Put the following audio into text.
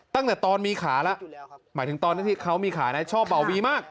ตั้งแต่ตอนมีขาแล้วหมายถึงตอนที่เขามีขานะชอบเบาวีมาก